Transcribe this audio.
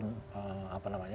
untuk calon apa namanya